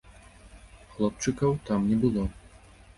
Хлопчыкаў там не было.